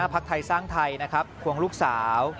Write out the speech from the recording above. พักไทยสร้างไทยนะครับควงลูกสาว